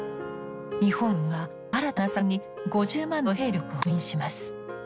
日本軍は新たな作戦に５０万の兵力を動員します。